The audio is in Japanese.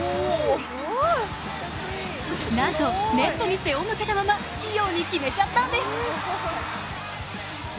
なんとネットに背を向けたまま器用に決めちゃったんです。